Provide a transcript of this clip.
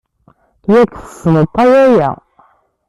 Yak tessneḍ-t a yaya.